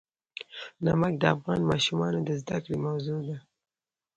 نمک د افغان ماشومانو د زده کړې موضوع ده.